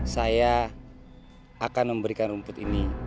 saya akan memberikan rumput ini